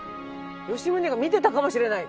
吉宗が見てたかもしれない。